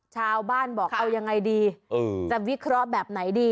ชาวบ้านบอกเอายังไงดีจะวิเคราะห์แบบไหนดี